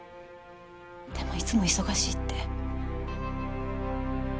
でもいつも忙しいって。